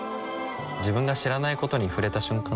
自分が知らないことに触れた瞬間